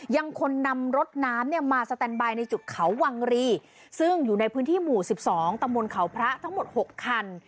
ยังควรนำรถน้ำเนี่ยมาสแตนบายในจุดเขาวังรีซึ่งอยู่ในพื้นที่หมู่๑๒ตำบลเขาพระทั้งหมด๖คัน